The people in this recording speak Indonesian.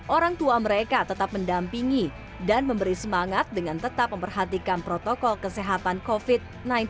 orang tua mereka tetap mendampingi dan memberi semangat dengan tetap memperhatikan protokol kesehatan covid sembilan belas